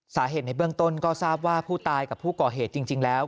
ในเบื้องต้นก็ทราบว่าผู้ตายกับผู้ก่อเหตุจริงแล้ว